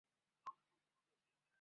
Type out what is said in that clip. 建于明永乐年间。